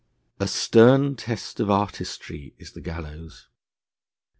A stern test of artistry is the gallows.